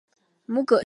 母葛氏。